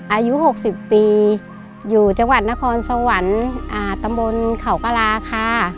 อายุ๖๐ปีอยู่จังหวัดนครสวรรค์ตำบลเขากระลาค่ะ